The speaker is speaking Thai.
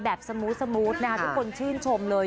สมูทสมูททุกคนชื่นชมเลย